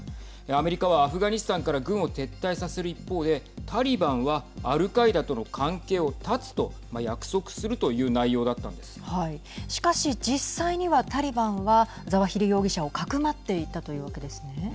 アメリカはアフガニスタンから軍を撤退させる一方でタリバンはアルカイダとの関係を断つと約束するしかし、実際にはタリバンはザワヒリ容疑者をかくまっていたというわけですね。